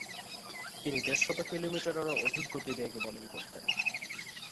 তিনি দেড়শত কিলোমিটারেরও অধিক গতিবেগে বোলিং করতেন।